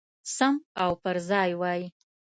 سم او پرځای وای.